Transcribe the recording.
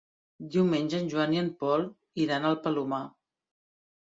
Diumenge en Joan i en Pol iran al Palomar.